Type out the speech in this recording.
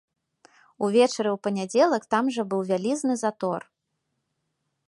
Увечары ў панядзелак там жа быў вялізны затор.